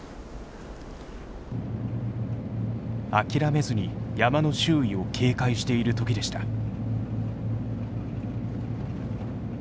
諦めずに山の周囲を警戒している時でした。